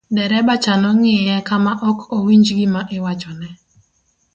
dereba cha nong'iye ka ma ok owinj gima iwachone